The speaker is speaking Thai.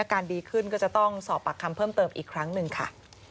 ดีขึ้นก็จะต้องสอบปากคำเพิ่มเติมอีกครั้งหนึ่งค่ะ